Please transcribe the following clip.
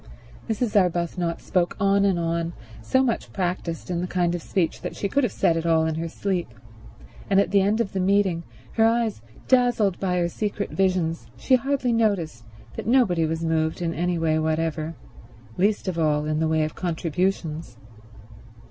Mrs. Arbuthnot spoke on and on, so much practiced in the kind of speech that she could have said it all in her sleep, and at the end of the meeting, her eyes dazzled by her secret visions, she hardly noticed that nobody was moved in any way whatever, least of all in the way of contributions.